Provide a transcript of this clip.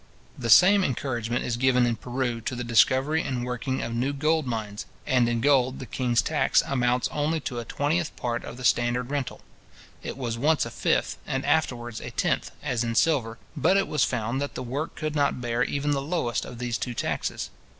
The same encouragement is given in Peru to the discovery and working of new gold mines; and in gold the king's tax amounts only to a twentieth part of the standard rental. It was once a fifth, and afterwards a tenth, as in silver; but it was found that the work could not bear even the lowest of these two taxes.